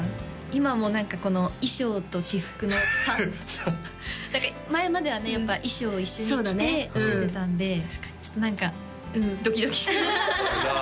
今も何かこの衣装と私服の差前まではねやっぱ衣装を一緒に着て出てたんでちょっと何かドキドキしてます